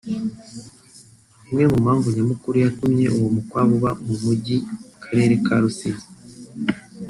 Imwe mumpamvu nyamukuru yatumye uwo mukwabu uba mu mujyi karere ka Rusizi